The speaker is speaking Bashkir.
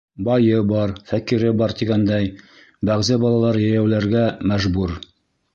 Байы бар, фәҡире бар тигәндәй, бәғзе балалар йәйәүләргә мәжбүр.